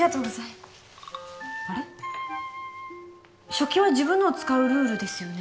食器は自分のを使うルールですよね